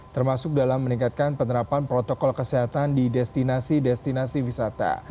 termasuk dalam meningkatkan penerapan protokol kesehatan di destinasi destinasi wisata